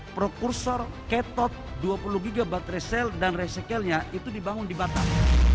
prokursor ketot dua puluh gigabit resale dan resekelnya itu dibangun di batam